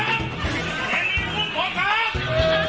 อื้ออชิบให้